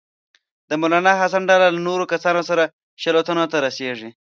د مولنا حسن ډله له نورو کسانو سره شلو تنو ته رسیږي.